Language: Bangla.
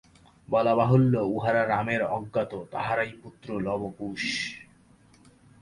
বলা বাহুল্য, উহারা রামের অজ্ঞাত তাঁহারই পুত্র লব ও কুশ।